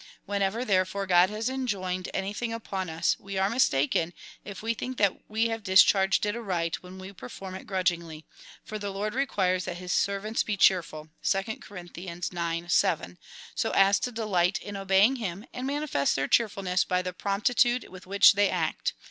Whenever, therefore, Grod has enjoined anything upon us, Ave are mistaken, if we think that we have discharged it aright, when we perform it grudgingly ; for the Lord requires that his servants be cheerful, (2 Cor. ix. 7,) so as to delight in obeying him, and manifest their cheerfulness by the promp titude with which they act.